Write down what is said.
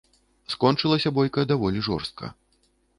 Скончылася бойка даволі жорстка.